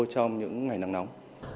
trong những ngày nắng nóng